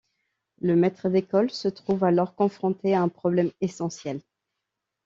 Le maître d'école se trouve alors confronté à un problème essentiel...